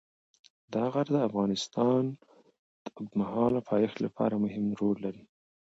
دا غر د افغانستان د اوږدمهاله پایښت لپاره مهم رول لري.